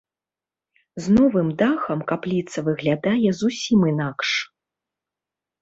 З новым дахам капліца выглядае зусім інакш.